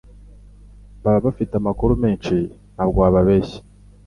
baba bafite amakuru meshi ntabwo wababeshya